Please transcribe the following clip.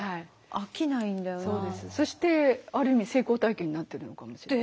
そしてある意味成功体験になってるのかもしれません。